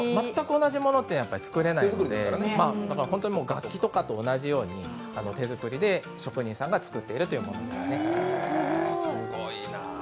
全く同じものは作れないので、本当に楽器とかと同じように手作りで、職人さんが作っているものです。